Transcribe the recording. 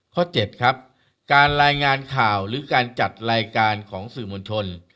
๗ครับการรายงานข่าวหรือการจัดรายการของสื่อมวลชน